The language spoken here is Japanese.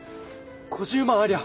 ５０万ありゃ